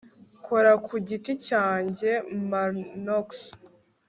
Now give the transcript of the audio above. Nkora ku giti cyanjye MarlonX